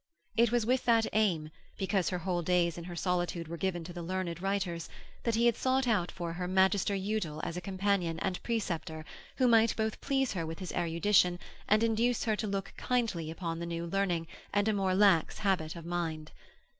It was with that aim, because her whole days in her solitude were given to the learned writers, that he had sought out for her Magister Udal as a companion and preceptor who might both please her with his erudition and induce her to look kindly upon the New Learning and a more lax habit of mind.